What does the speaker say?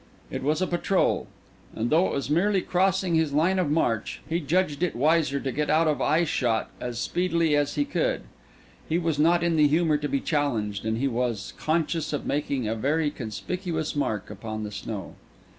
It was a patrol. And though it was merely crossing his line of march, he judged it wiser to get out of eyeshot as speedily as he could. He was not in the humour to be challenged, and he was conscious of making a very conspicuous mark upon the snow.